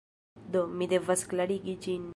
Do, mi devas klarigi ĝin.